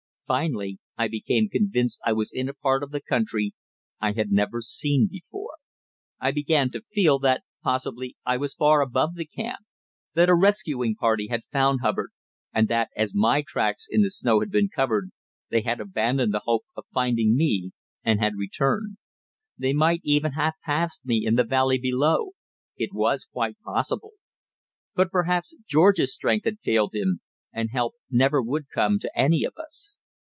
Finally I became convinced I was in a part of the country I had never seen before. I began to feel that possibly I was far above the camp; that a rescuing party had found Hubbard, and that, as my tracks in the snow had been covered, they had abandoned the hope of finding me and had returned. They might even have passed me in the valley below; it was quite possible. But perhaps George's strength had failed him, and help never would come to any of us.